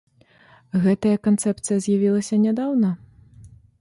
Гэтая канцэпцыя з'явілася нядаўна?